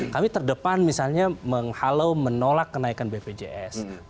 kami terdepan misalnya menghalau menolak kenaikan bpjs